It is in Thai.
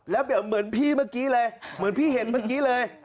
แล้วแบบเหมือนพี่เมื่อกี้เลยเหมือนพี่เห็นเมื่อกี้เลย